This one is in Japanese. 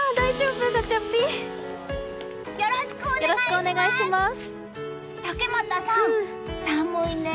よろしくお願いします！